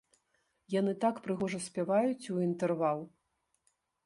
Яны так прыгожа спяваюць у інтэрвал!